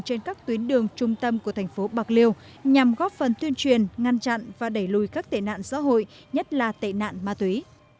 trên các tuyến đường trung tâm của thành phố bạc liêu nhằm góp phần tuyên truyền ngăn chặn và đẩy lùi các tệ nạn xã hội nhất là tệ nạn ma túy